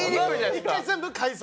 １回全部解散。